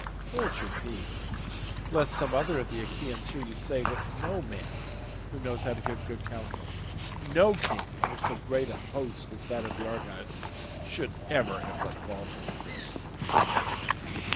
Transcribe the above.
Hold your peace, lest some other of the Achaeans hear you say what no man who knows how to give good counsel, no king over so great a host as that of the Argives should ever have let fall from his lips.